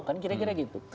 kan kira kira gitu